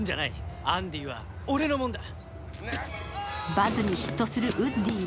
バズに嫉妬するウッディ。